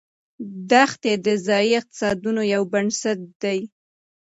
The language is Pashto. دښتې د ځایي اقتصادونو یو بنسټ دی.